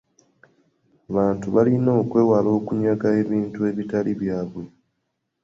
Abantu balina okwewala okunyaga ebintu ebitali byabwe.